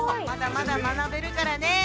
まだまだ学べるからね！